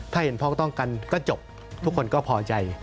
ถ้าเห็นพ้องต้องกันก็จบทุกคนก็พอใจ